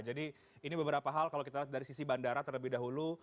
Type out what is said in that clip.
jadi ini beberapa hal kalau kita dari sisi bandara terlebih dahulu